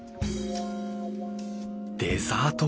デザート